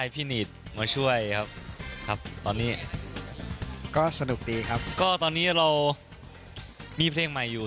พี่นีทมาช่วยครับครับตอนนี้ก็สนุกดีครับก็ตอนนี้เรามีเพลงใหม่อยู่